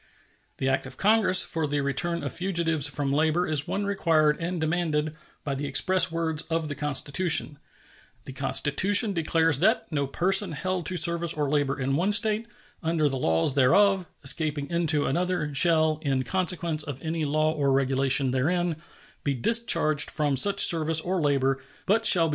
The act of Congress for the return of fugitives from labor is one required and demanded by the express words of the Constitution. The Constitution declares that No person held to service or labor in one State, under the laws thereof, escaping into another, shall, in consequence of any law or regulation therein, be discharged from such service or labor, but shall be delivered up on claim of the party to whom such service or labor may be due.